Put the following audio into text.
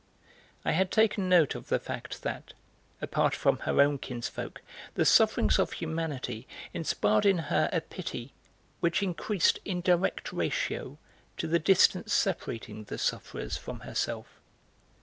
I had taken note of the fact that, apart from her own kinsfolk, the sufferings of humanity inspired in her a pity which increased in direct ratio to the distance separating the sufferers from herself.